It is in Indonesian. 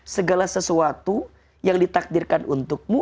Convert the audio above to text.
segala sesuatu yang ditakdirkan untukmu